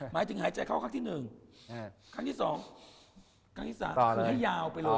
หมายถึงหายใจเข้าครั้งที่๑ครั้งที่๒ครั้งที่๓